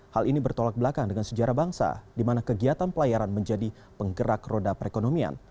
hal ini bertolak belakang dengan sejarah bangsa di mana kegiatan pelayaran menjadi penggerak roda perekonomian